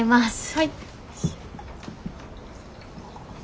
はい。